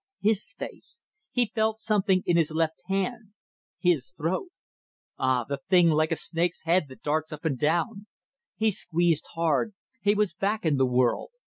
His face. He felt something in his left hand. His throat ... Ah! the thing like a snake's head that darts up and down ... He squeezed hard. He was back in the world.